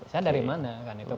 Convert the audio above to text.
saya dari mana kan itu